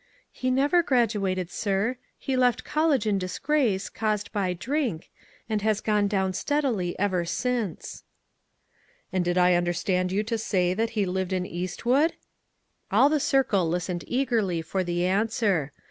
"He never graduated, sir. He left col lege in disgrace, caused by drink, and hae gone down steadily ever since." " And did I understand you to say that he lived in Eastwood ?" All the circle listened eagerly for the an swer.